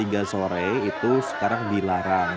jam tiga sore itu sekarang dilarang